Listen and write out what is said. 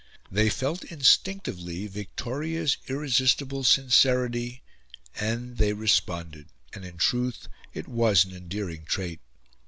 They felt instinctively Victoria's irresistible sincerity, and they responded. And in truth it was an endearing trait.